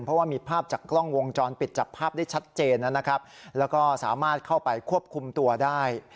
เพราะว่ามีภาพจากกล้องวงจรปิดจับภาพได้ชัดเจนนะครับแล้วก็สามารถเข้าไปควบคุมตัวได้